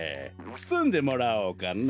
つつんでもらおうかな。